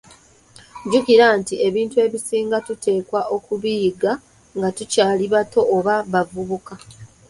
Jjukira nti ebintu ebisinga tuteekwa okubiyiga nga tukyali bato oba bavubuka.